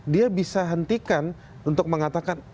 dia bisa hentikan untuk mengatakan